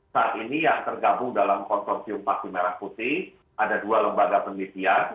saat ini yang tergabung dalam konsorsium vaksin merah putih ada dua lembaga penelitian